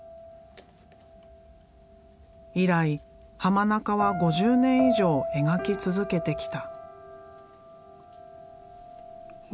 以来濱中は５０年以上描き続けてきた。